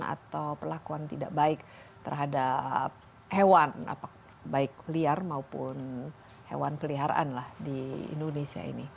atau perlakuan tidak baik terhadap hewan baik liar maupun hewan peliharaan lah di indonesia ini